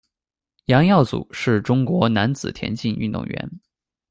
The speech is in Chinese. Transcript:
杨耀祖是中国男子田径运动员。